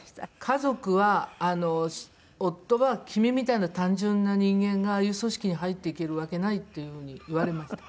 家族は夫は「君みたいな単純な人間がああいう組織に入っていけるわけない」っていう風に言われました。